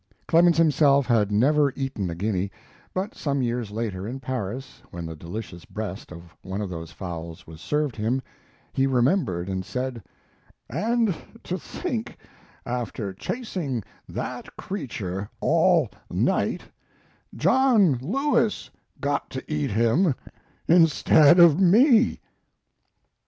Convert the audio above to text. Clemens himself had then never eaten a guinea, but some years later, in Paris, when the delicious breast of one of those fowls was served him, he remembered and said: "And to think, after chasing that creature all night, John Lewis got to eat him instead of me."